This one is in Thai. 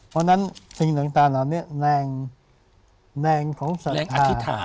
เพราะฉะนั้นสิ่งต่างเรานี่แรงของศรัทธา